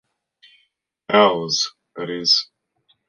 Ours, that is.